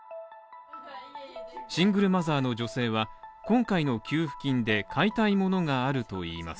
シングルマザーの女性は、今回の給付金で買いたいものがあるといいます。